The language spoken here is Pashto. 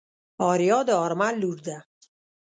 آريا د آرمل لور ده.